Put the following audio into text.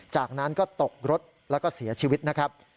จากนั้นก็ตกรถแล้วก็เสียชีวิตนะครับ